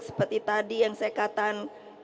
seperti tadi yang saya katakan